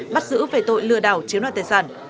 bắt giữ về tội lừa đảo chiếm đoạt tài sản